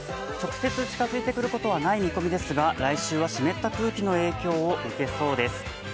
直接近づいてくることはない見込みですが、来週は湿った空気の影響を受けそうです。